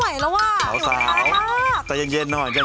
อย่าเพิ่งไปกินน้ำ